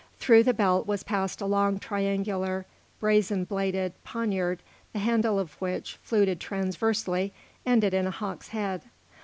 Through the belt was passed a long, triangular, brazen bladed poniard, the handle of which, fluted transversely, ended in a hawk's head.